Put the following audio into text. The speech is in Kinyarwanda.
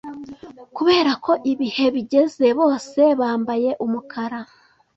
kuberako ibihe bigeze bose bambaye umukara